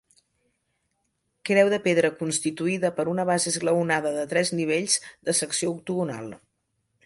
Creu de pedra constituïda per una base esglaonada de tres nivells de secció octogonal.